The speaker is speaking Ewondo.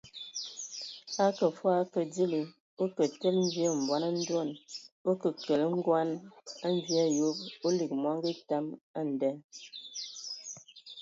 Akə fɔɔ o akə dili,o kə tele mvie mbɔn a ndoan, o ke kele ngoan a mvie a yob, o lig mɔngɔ etam a nda !